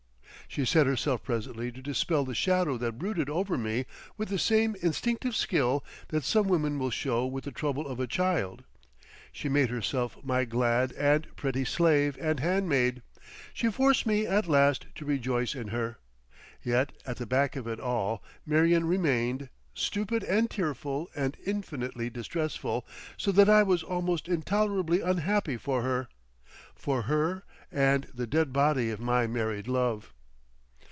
She set herself presently to dispel the shadow that brooded over me with the same instinctive skill that some women will show with the trouble of a child. She made herself my glad and pretty slave and handmaid; she forced me at last to rejoice in her. Yet at the back of it all Marion remained, stupid and tearful and infinitely distressful, so that I was almost intolerably unhappy for her—for her and the dead body of my married love.